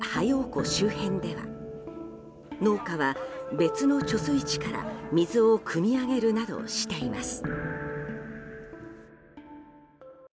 湖周辺では農家は別の貯水池から水をくみ上げるなどしています。